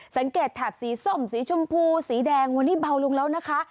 แถบสีส้มสีชมพูสีแดงวันนี้เบาลงแล้วนะคะ